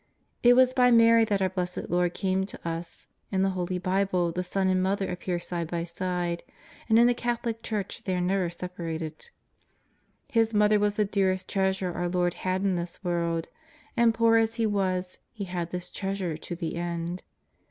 It was by Mary that our Blessed Lord came to us: in the Holy "Bible the Son and the Mother appear side by side, and in the Catholic Church they are never separated. His Mother was the dearest treasure our Lord had in this world, and, poor as He was, He had this treasure to the end.